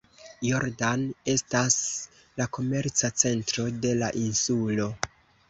Jordan estas la komerca centro de la insulo.